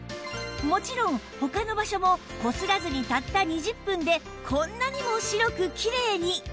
もちろん他の場所もこすらずにたった２０分でこんなにも白くキレイに！